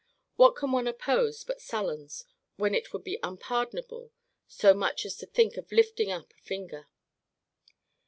What can one oppose but sullens, when it would be unpardonable so much as to think of lifting up a finger?